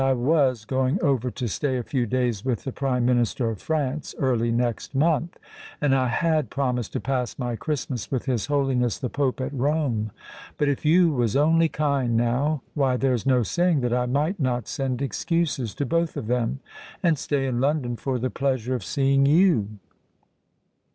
"I was going over to stay a few days with the Prime Minister of France early next month; and I had promised to pass my Christmas with his Holiness the Pope at Rome:—but if you was only kind, now—why, there's no saying that I might not send excuses to both of them, and stay in London for the pleasure of seeing you."